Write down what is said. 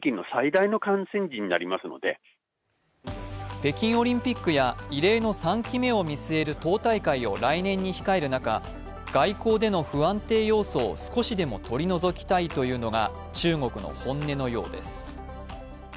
北京オリンピックや異例の３期目を見据える党大会を来年に控える中、外交での不安定要素を少しで取り除きたいというのが中国の本音のようです。